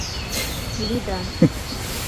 — Лӱдам...